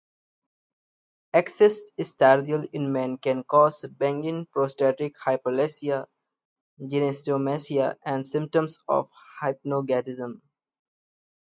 Excess estradiol in men can cause benign prostatic hyperplasia, gynecomastia, and symptoms of hypogonadism.